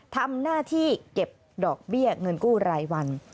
ทำหน้าที่เก็บดอกเบี้ยเงินกู้รายวัน